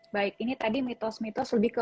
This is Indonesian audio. baik ini tadi mitos mitos lebih ke